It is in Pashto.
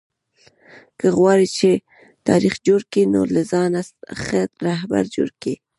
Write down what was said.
که غواړى، چي تاریخ جوړ کى؛ نو له ځانه ښه راهبر جوړ کئ!